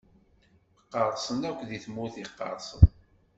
Qqersen akk di tmurt iqersen.